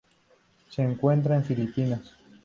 Se encuentra en Filipinas.